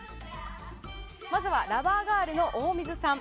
まずはラバーガールの大水さん。